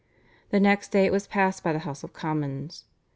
The next day it was passed by the House of Commons.